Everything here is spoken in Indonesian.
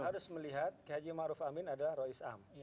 harus melihat ki haji ma'ruf amin adalah roi is'am